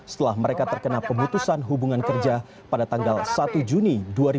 setelah mereka terkena pemutusan hubungan kerja pada tanggal satu juni dua ribu dua puluh